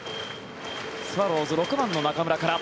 スワローズ６番の中村から。